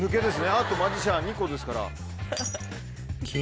あとマジシャン２個ですから。